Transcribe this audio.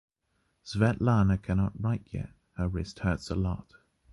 Svetlana cannot write yet; her wrist hurts a lot.